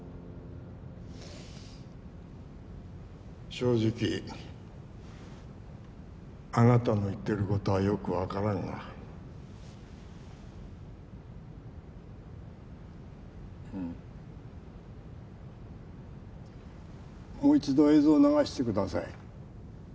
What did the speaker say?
正直あなたの言ってることはよく分からんがうんもう一度映像流してください